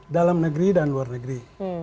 dalam negeri dan luar negeri